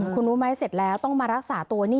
คุณรู้ไหมเสร็จแล้วต้องมารักษาตัวนี่